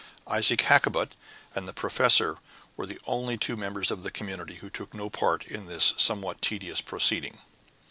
Isaac Hakkabut and the professor were the only two members of the community who took no part in this somewhat tedious proceeding.